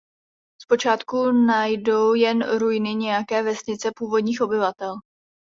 Zpočátku najdou jen ruiny nějaké vesnice původních obyvatel.